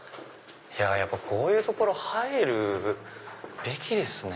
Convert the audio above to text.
こういう所入るべきですね。